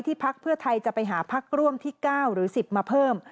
พักเพื่อไทยจะไปหาพักร่วมที่๙หรือ๑๐มาเพิ่ม